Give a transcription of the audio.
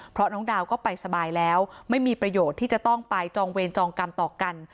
เพราะน้องดาวก็ไปสบายแล้วไม่มีประโยชน์ที่จะต้องไปจองเวรจองกรรมต่อกัน